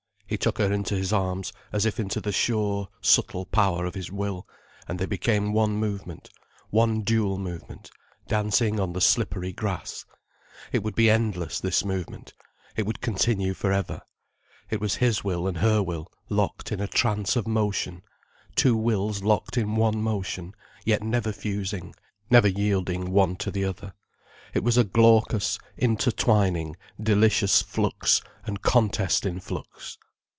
He took her into his arms, as if into the sure, subtle power of his will, and they became one movement, one dual movement, dancing on the slippery grass. It would be endless, this movement, it would continue for ever. It was his will and her will locked in a trance of motion, two wills locked in one motion, yet never fusing, never yielding one to the other. It was a glaucous, intertwining, delicious flux and contest in flux.